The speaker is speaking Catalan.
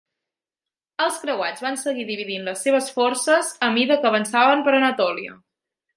Els creuats van seguir dividint les seves forces a mida que avançaven per Anatolia.